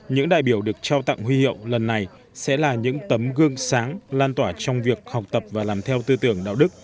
những đại biểu được trao tặng huy hiệu lần này sẽ là những tấm gương sáng lan tỏa trong việc học tập và làm theo tư tưởng đạo đức